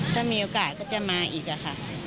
ถ้ามีโอกาสก็จะมาอีกค่ะ